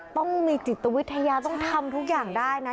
ต้องมีจิตวิทยาต้องทำทุกอย่างได้นะ